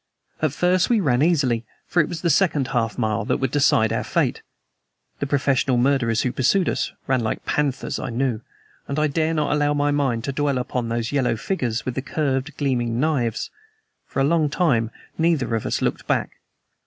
At first we ran easily, for it was the second half mile that would decide our fate. The professional murderers who pursued us ran like panthers, I knew; and I dare not allow my mind to dwell upon those yellow figures with the curved, gleaming knives. For a long time neither of us looked back.